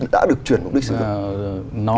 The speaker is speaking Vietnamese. đã được chuyển mục đích sử dụng